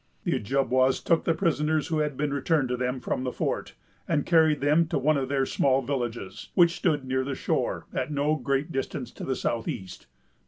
The Ojibwas took the prisoners who had been returned to them from the fort, and carried them to one of their small villages, which stood near the shore, at no great distance to the south east.